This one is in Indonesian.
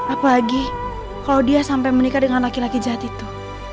apalagi kalau dia sampai menikah dengan laki laki jahat itu